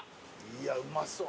いやうまそう。